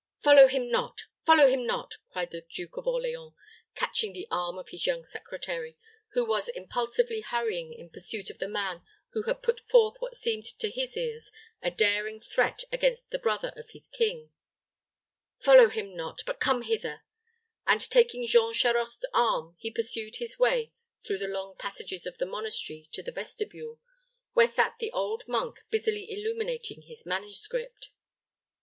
"Follow him not follow him not!" cried the Duke of Orleans, catching the arm of his young secretary, who was impulsively hurrying in pursuit of the man who had put forth what seemed to his ears a daring threat against the brother of his king; "follow him not, but come hither;" and, taking Jean Charost's arm, he pursued his way through the long passages of the monastery to the vestibule, where sat the old monk busily illuminating his manuscript.